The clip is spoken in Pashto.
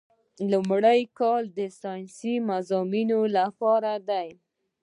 لومړی یو کال د ساینسي مضامینو لپاره دی.